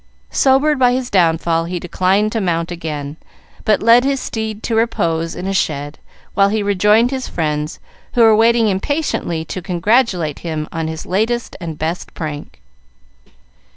Sobered by his downfall, he declined to mount again, but led his steed to repose in a shed, while he rejoined his friends, who were waiting impatiently to congratulate him on his latest and best prank.